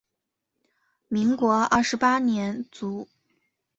民国二十八年卒。